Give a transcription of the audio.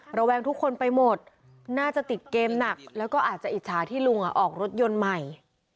ระแวงทุกคนไปหมดน่าจะติดเกมหนักแล้วก็อาจจะอิจฉาที่ลุงออกรถยนต์ใหม่